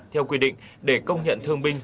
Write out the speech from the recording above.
theo quy định để công nhận thương binh